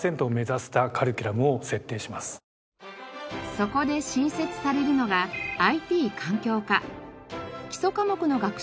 そこで新設されるのがＩＴ・環境科。